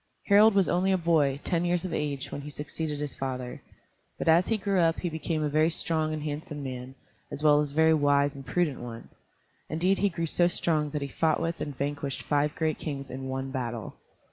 Harald was only a boy, ten years of age, when he succeeded his father; but as he grew up he became a very strong and handsome man, as well as a very wise and prudent one. Indeed he grew so strong that he fought with and vanquished five great kings in one battle.